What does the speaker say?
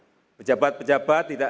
sehingga pejabat pejabat politik